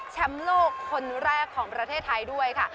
แชมป์โลกคนแรกของประเทศไทยด้วยค่ะ